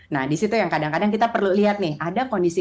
nah disitu yang kadang kadang kita perlu lihat nih ada kondisi